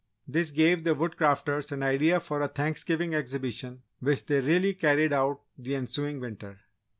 This gave the Woodcrafters an idea for a Thanksgiving exhibition which they really carried out the ensuing winter.